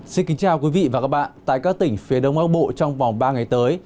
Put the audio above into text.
xin kính chào quý vị và các bạn tại các tỉnh phía đông bắc bộ trong vòng ba ngày tới